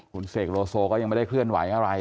คุณเสกโลโซก็ยังไม่ได้เคลื่อนไหวอะไร